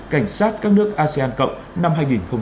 cảnh sát các nước asean cộng năm hai nghìn hai mươi